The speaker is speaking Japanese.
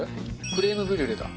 クリームブリュレだ。